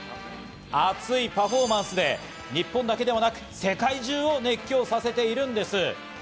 熱いパフォーマンスで日本だけではなく、世界中を熱狂させているんです。